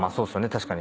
確かに。